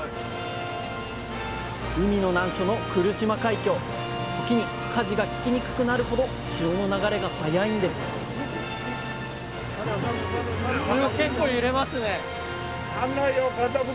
海の難所の来島海峡時にかじが利きにくくなるほど潮の流れが速いんですお！